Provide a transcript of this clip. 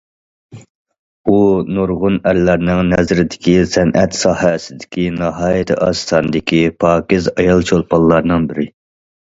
ئۇ نۇرغۇن ئەرلەرنىڭ نەزىرىدىكى سەنئەت ساھەسىدىكى ناھايىتى ئاز ساندىكى پاكىز ئايال چولپانلارنىڭ بىرى.